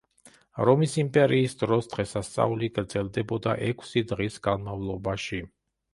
რომის იმპერიის დროს დღესასწაული გრძელდებოდა ექვსი დღის განმავლობაში.